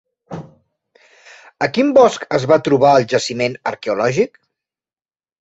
A quin bosc es va troba el jaciment arqueològic?